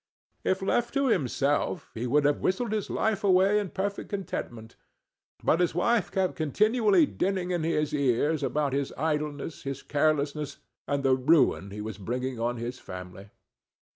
If left to himself, he would have whistled life away in perfect contentment; but his wife kept continually dinning in his ears about his idleness, his carelessness, and the ruin he was bringing on his family.